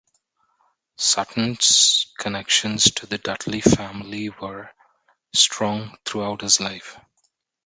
Sutton's connections to the Dudley family were strong throughout his life.